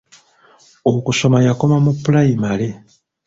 Okusoma yakoma mu pulayimale.